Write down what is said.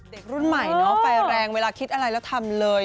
เด็กรุ่นใหม่เนาะไฟแรงเวลาคิดอะไรแล้วทำเลย